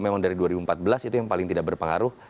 memang dari dua ribu empat belas itu yang paling tidak berpengaruh